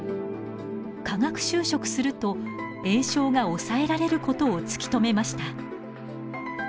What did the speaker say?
化学修飾すると炎症が抑えられることを突き止めました。